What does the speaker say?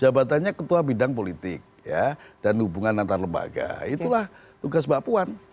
jabatannya ketua bidang politik dan hubungan antar lembaga itulah tugas mbak puan